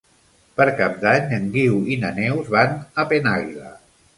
Per Cap d'Any en Guiu i na Neus van a Penàguila.